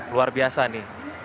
luar biasa nih